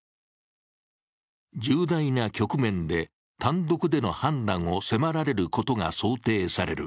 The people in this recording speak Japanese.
重大な局面で単独での判断を迫られることが想定される。